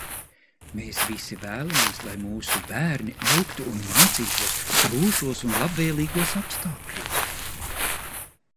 Mēs visi vēlamies, lai mūsu bērni augtu un mācītos drošos un labvēlīgos apstākļos.